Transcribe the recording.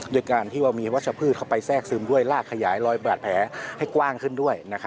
ด้วยการที่ว่ามีวัชพืชเข้าไปแทรกซึมด้วยลากขยายรอยบาดแผลให้กว้างขึ้นด้วย